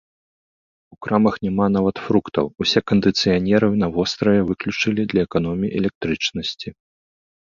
У крамах няма нават фруктаў, усе кандыцыянеры на востраве выключылі для эканоміі электрычнасці.